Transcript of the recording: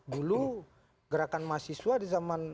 dulu gerakan mahasiswa di zaman